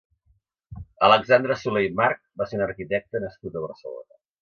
Alexandre Soler i March va ser un arquitecte nascut a Barcelona.